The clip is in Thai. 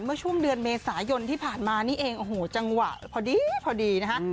เมื่อช่วงเดือนเมษายนที่ผ่านมานี่เองจังหวะพอดี